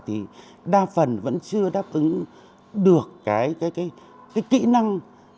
thì đa phần vẫn chưa đáp ứng được cái kỹ năng